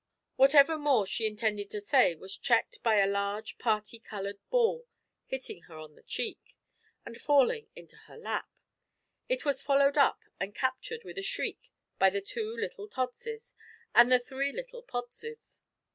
Whatever more she intended to say was checked by a large parti coloured ball hitting her on the cheek, and falling into her lap. It was followed up and captured with a shriek by the two little Todses and the three little Podses.